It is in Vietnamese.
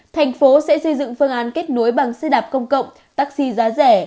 thành phố sẽ xây dựng phương án kết nối bằng xe đạp công cộng taxi giá rẻ